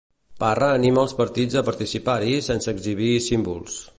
Parra anima els partits a participar-hi sense exhibir símbols.